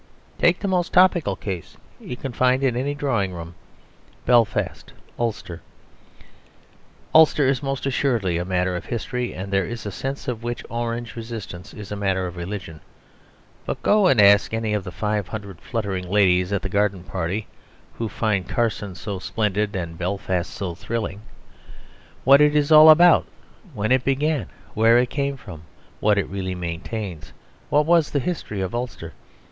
Take the most topical case you can find in any drawing room: Belfast. Ulster is most assuredly a matter of history; and there is a sense in which Orange resistance is a matter of religion. But go and ask any of the five hundred fluttering ladies at a garden party (who find Carson so splendid and Belfast so thrilling) what it is all about, when it began, where it came from, what it really maintains? What was the history of Ulster?